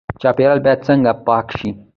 چاپیریال باید څنګه پاک شي؟